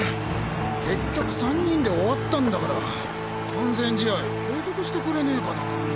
結局３人で終わったんだから完全試合継続してくれねぇかなァ。